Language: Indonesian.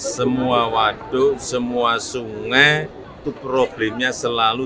semua waduk semua sungai itu problemnya selalu